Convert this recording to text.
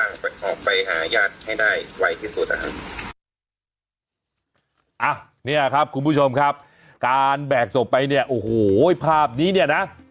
เนี่ยครับคุณผู้ชมครับการแบกศพไปเนี่ยโอ้โหภาพนี้เนี่ยนะ